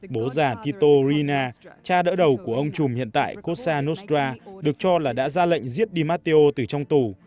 bố già tito rina cha đỡ đầu của ông chùm hiện tại cosa nostra được cho là đã ra lệnh giết di matteo từ trong tù